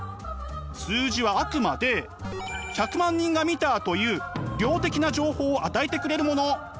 数字はあくまで１００万人が見たという「量」的な情報を与えてくれるもの。